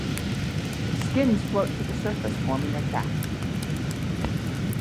Skins float to the surface, forming a cap.